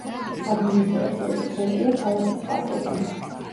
ადმინისტრაციული ცენტრია ქალაქი წყალტუბო.